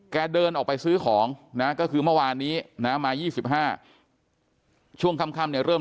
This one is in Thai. เดินออกไปซื้อของนะก็คือเมื่อวานนี้นะมา๒๕ช่วงค่ำเนี่ยเริ่ม